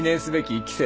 １期生？